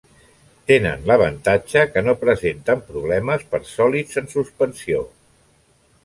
Tenen l'avantatge que no presenten problemes per sòlids en suspensió.